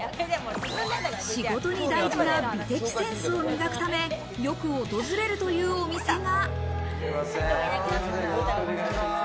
仕事に大事な美的センスを磨くため、よく訪れるというお店が。